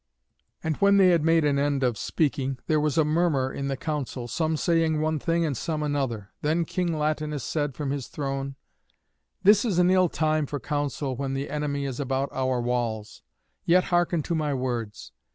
'" And when they had made an end of speaking, there was a murmur in the council, some saying one thing, and some another. Then King Latinus said from his throne, "This is an ill time for counsel when the enemy is about our walls. Yet hearken to my words.